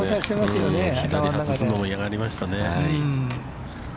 ◆左外すのを嫌がりましたね。